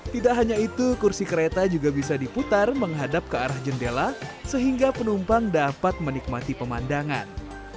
tidak hanya itu kursi kereta juga bisa diputar menghadap ke arah jendela sehingga penumpang dapat menikmati pemandangan